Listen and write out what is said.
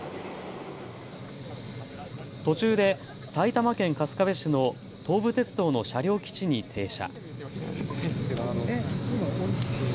途中で埼玉県春日部市の東武鉄道の車両基地に停車。